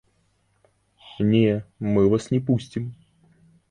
Не, мы вас не пусцім!